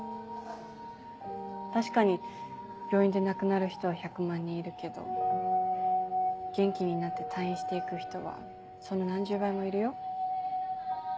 確かに病院で亡くなる人は１００万人いるけど元気になって退院して行く人はその何十倍もいるよ。